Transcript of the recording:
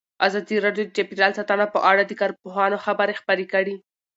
ازادي راډیو د چاپیریال ساتنه په اړه د کارپوهانو خبرې خپرې کړي.